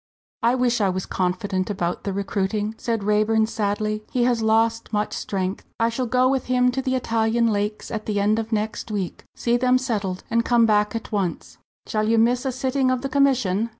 "I wish I was confident about the recruiting," said Raeburn, sadly. "He has lost much strength. I shall go with them to the Italian lakes at the end of next week, see them settled and come back at once." "Shall you miss a sitting of the commission?"